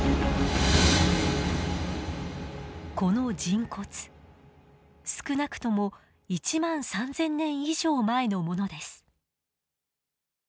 この人骨少なくとも１万３，０００年以上前のものです。